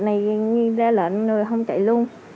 hôm nay ra lệnh rồi không chạy luôn